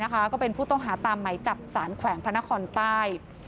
ก็เป็นผู้ต้องหาตามไหมจับสารแขวงพระนครใต้